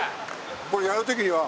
これやるときには。